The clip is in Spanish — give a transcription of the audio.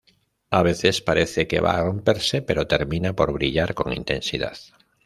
A veces parece que va a romperse, pero termina por brillar con intensidad.